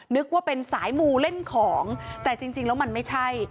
นึกว่าเป็นสายมูเล่นของแต่จริงแล้วมันไม่ใช่